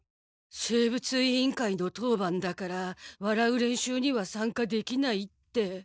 生物委員会の当番だから笑う練習にはさんかできないって。